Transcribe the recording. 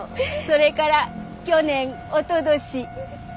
それから去年おととし。